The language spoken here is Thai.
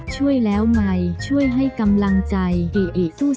ช่วยแล้วใหม่ช่วยให้กำลังใจเออสู้